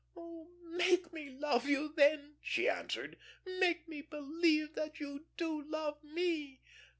"Oh, make me love you, then," she answered. "Make me believe that you do love me."